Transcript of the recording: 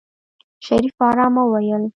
شريف په آرامه وويل.